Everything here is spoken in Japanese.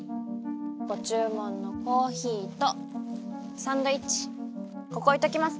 ご注文のコーヒーとサンドイッチここ置いときますね。